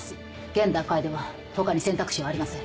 現段階では他に選択肢はありません。